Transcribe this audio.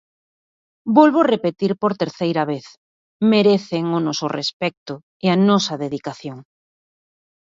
Volvo repetir por terceira vez: merecen o noso respecto e a nosa dedicación.